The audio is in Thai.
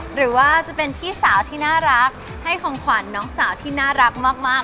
หรือว่าจะเป็นพี่สาวที่น่ารักให้ของขวัญน้องสาวที่น่ารักมาก